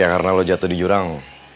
ya karena lo jatuh di jurang